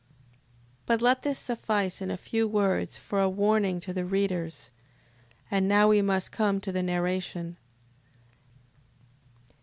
6:17. But let this suffice in a few words for a warning to the readers. And now we must come to the narration.